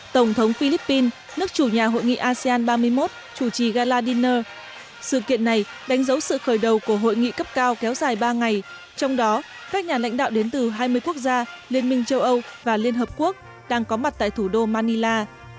tổng thống philippines nước chủ nhà hội nghị asean ba mươi một chủ trì galadineer sự kiện này đánh dấu sự khởi đầu của hội nghị cấp cao kéo dài ba ngày trong đó các nhà lãnh đạo đến từ hai mươi quốc gia liên minh châu âu và liên hợp quốc đang có mặt tại thủ đô manila